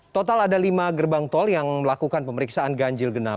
total ada lima gerbang tol yang melakukan pemeriksaan ganjil genap